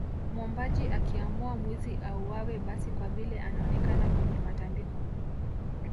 Mwombaji akiamua mwizi auawe basi kwa vile anaonekana kwenye matambiko